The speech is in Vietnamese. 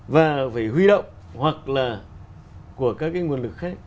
và phải huy động hoặc là của các cái nguồn lực khác